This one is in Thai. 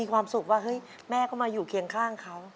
ว่าเฮ้ยแม่ก็มาอยู่เคียงข้างเขา